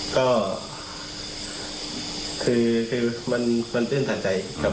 ก็คือมันตื้นฐานใจครับ